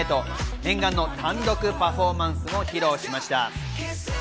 念願の単独パフォーマンスを披露しました。